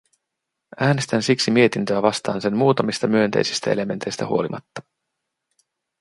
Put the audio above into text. Äänestän siksi mietintöä vastaan sen muutamista myönteisistä elementeistä huolimatta.